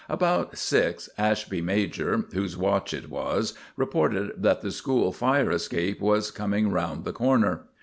About six Ashby major, whose watch it was, reported that the school fire escape was coming round the corner.